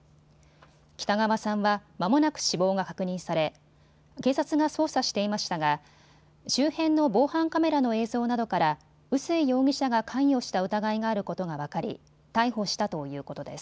北川さんはまもなく死亡が確認され警察が捜査していましたが周辺の防犯カメラの映像などから臼井容疑者が関与した疑いがあることが分かり逮捕したということです。